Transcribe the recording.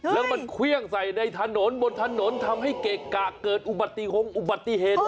แล้วมันเครื่องใส่ในถนนบนถนนทำให้เกะกะเกิดอุบัติฮงอุบัติเหตุ